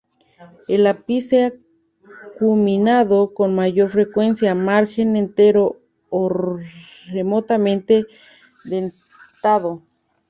El ápice acuminado con mayor frecuencia, margen entero o remotamente dentado.